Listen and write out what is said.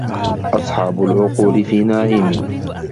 أصحاب العقول في نعيم